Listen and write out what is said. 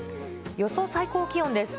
予想最高気温です。